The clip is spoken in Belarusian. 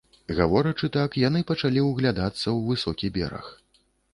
Гаворачы так, яны пачалі ўглядацца ў высокі бераг.